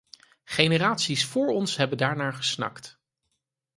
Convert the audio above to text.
Generaties voor ons hebben daarnaar gesnakt.